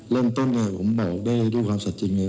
เรื่องต้นเราก็ผมบอกได้ดูความสัจจีนร่ะ